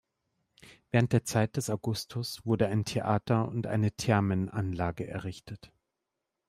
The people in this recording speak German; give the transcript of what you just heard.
Während der Zeit des Augustus wurden ein Theater und eine Thermenanlage errichtet.